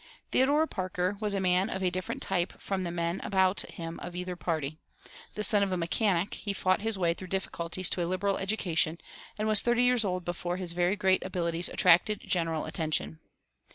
Theodore Parker was a man of a different type from the men about him of either party. The son of a mechanic, he fought his way through difficulties to a liberal education, and was thirty years old before his very great abilities attracted general attention.